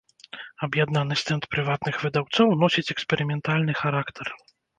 Аб'яднаны стэнд прыватных выдаўцоў носіць эксперыментальны характар.